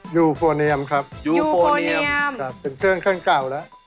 ยูโฟเนียมครับยูโฟเนียมเป็นเครื่องเครื่องเก่าแล้ว